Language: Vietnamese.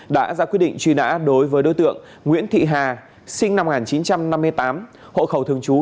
đã ra quyết định truy nã đối với đối tượng nguyễn thị hà sinh năm một nghìn chín trăm năm mươi tám hộ khẩu thường trú